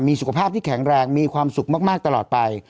มีสุขภาพที่แข็งแรงมีความสุขมากตลอดไป